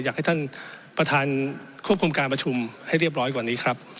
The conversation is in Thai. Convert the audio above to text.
อยากให้ท่านประธานควบคุมการประชุมให้เรียบร้อยกว่านี้ครับ